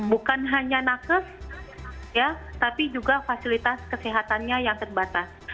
bukan hanya nakes tapi juga fasilitas kesehatannya yang terbatas